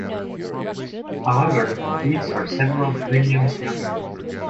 However, these are several millenniums younger.